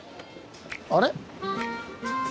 あれ？